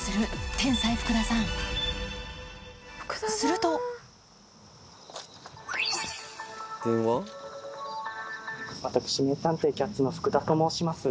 天才福田さんすると私名探偵キャッツの福田と申します。